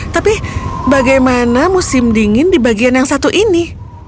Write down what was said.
tapi bagaimana musim dingin di bagian yang satu ini